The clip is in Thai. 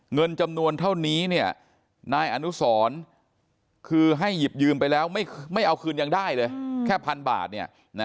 เงินจำนวนเท่านี้นายอนุสรคือให้หยิบยืมไปแล้วไม่เอาคืนยังได้เลยแค่พันบาทเนี่ย